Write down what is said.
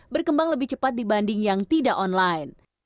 berkembang lebih cepat dibanding yang tidak online